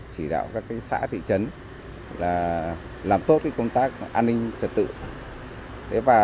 chỉ đạo các xã thị trấn làm tốt công tác an ninh trật tự